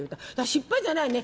失敗じゃないね。